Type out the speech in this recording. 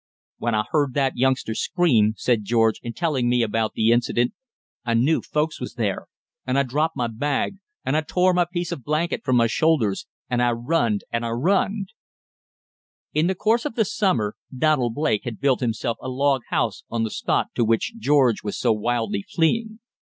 "When I heard that youngster scream," said George, in telling me about the incident, "I knew folks was there, and I dropped my bag, and I tore my piece of blanket from my shoulders, and I runned and I runned." In the course of the summer Donald Blake had built himself a log house on the spot to which George was so wildly fleeing.